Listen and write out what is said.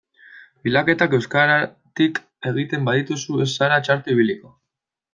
Bilaketak euskaratik egiten badituzu ez zara txarto ibiliko.